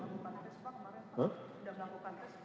pada saat itu pak kemarin pak sudah melakukan tes